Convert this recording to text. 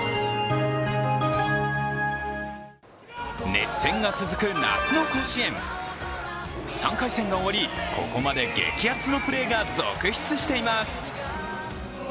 熱戦が続く夏の甲子園３回戦が終わりここまで激アツのプレーが続出しています。